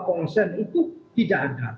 ponsen itu tidak ada